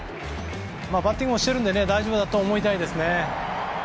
バッティングはしているので大丈夫だと思いたいですね。